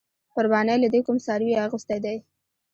قربانۍ له دې کوم څاروې اغستی دی؟